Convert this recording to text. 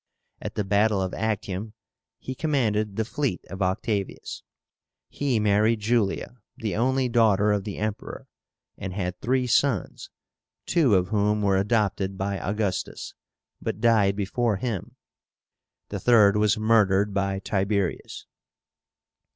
At the battle of Actium he commanded the fleet of Octavius. He married Julia, the only daughter of the Emperor, and had three sons, two of whom were adopted by Augustus, but died before him; the third was murdered by Tiberius.